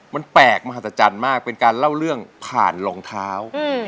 มันแปลกมหัศจรรย์มากเป็นการเล่าเรื่องผ่านรองเท้า